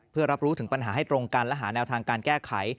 เพื่อรับรู้ถึงปัญหาให้ตรงกันและหาแนวทางการแก้ไข